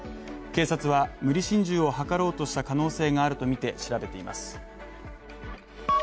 警察は、無理心中を図ろうとした可能性があるとみて調べています。